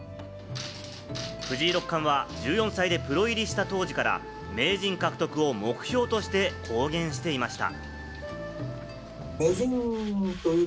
藤井六冠は１４歳でプロ入りした当時から名人獲得を目標として公言していました。